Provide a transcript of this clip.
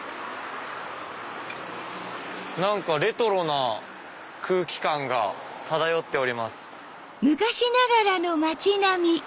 何かレトロな空気感が漂っております。